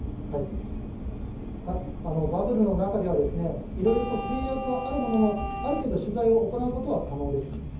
バブルの中ではいろいろと制約はあるもののある程度、取材を行うことは可能です。